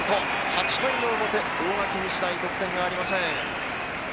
８回の表、大垣日大得点がありません。